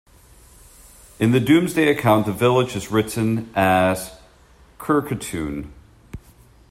In the "Domesday" account the village is written as "Cherchetune".